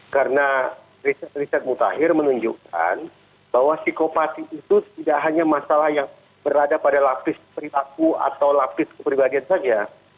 karena riset riset mutakhir menunjukkan bahwa psikopati itu tidak hanya masalah yang berada pada lapis peritaku atau lapis keperibadian saja